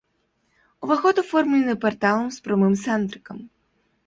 Уваход аформлены парталам з прамым сандрыкам.